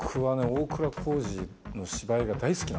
大倉孝二の芝居が大好きなんですよ。